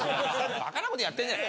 バカなことやってんじゃない。